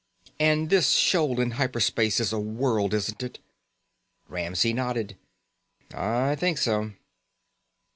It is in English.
"And this shoal in hyper space is a world, isn't it?" Ramsey nodded. "I think so."